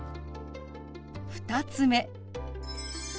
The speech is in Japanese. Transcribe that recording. ２つ目。